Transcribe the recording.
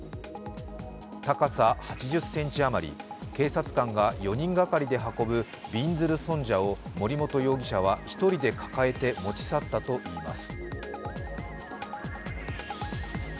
高さ８０ｃｍ余り、警察官が４人がかりで運ぶびんずる尊者を森本容疑者は１人で抱えて持ち去ったといいます。